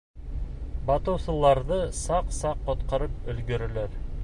Батыусыларҙы саҡ-саҡ ҡотҡарып өлгөрәләр.